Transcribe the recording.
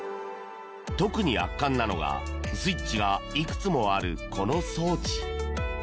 特に圧巻なのがスイッチがいくつもあるこの装置。